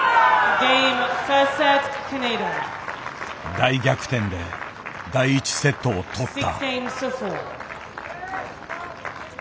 大逆転で第１セットを取った。